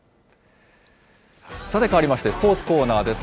さて、変わりましてスポーツコーナーです。